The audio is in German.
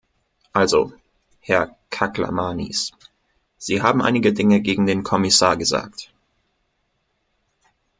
Also, Herr Kaklamanis, Sie haben einige Dinge gegen den Kommissar gesagt.